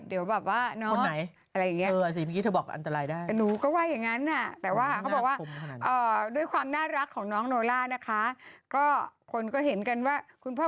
เดี๋ยวแบบว่าน้องอะไรอย่างเงี้ยคนไหน